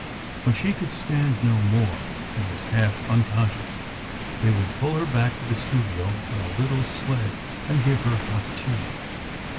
When she could stand no more, and was half unconscious, they would pull her back to the studio on a little sled and give her hot tea.